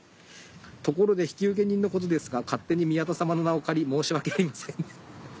ところで引受人のことですが勝手に宮田様の名を借り申し訳ありません。